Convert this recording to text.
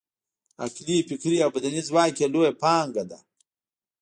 عقلي، فکري او بدني ځواک یې لویه پانګه ده.